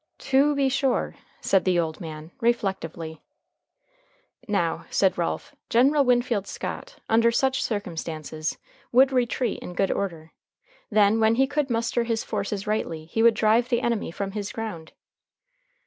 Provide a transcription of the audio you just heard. "To be sure," said the old man reflectively. "Now," said Ralph, "General Winfield Scott, under such circumstances, would retreat in good order. Then, when he could muster his forces rightly, he would drive the enemy from his ground."